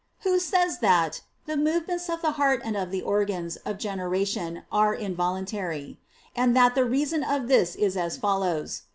who says that "the movements of the heart and of the organs of generation are involuntary," and that the reason of this is as follows.